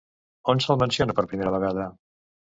On se'l menciona per primera vegada?